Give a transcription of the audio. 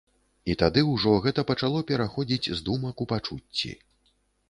І тады ўжо гэта пачало пераходзіць з думак у пачуцці.